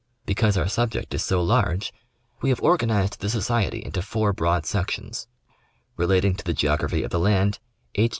Because our subject is so large we have organized the society into four broad sections: relating to the geography of the land, H.